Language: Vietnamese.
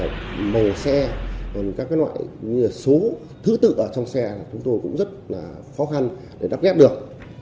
các đồng bộ xe các loại số thứ tự ở trong xe chúng tôi cũng rất là khó khăn để đắp ghép được